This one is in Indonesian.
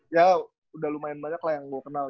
ya udah lumayan banyak lah yang gue kenal